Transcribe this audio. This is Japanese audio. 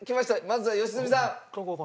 まずは良純さん。